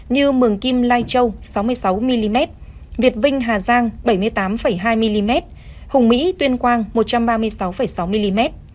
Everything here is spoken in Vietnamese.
như mường kim lai châu sáu mươi sáu mm việt vinh hà giang bảy mươi tám hai mm hùng mỹ tuyên quang một trăm ba mươi sáu sáu mm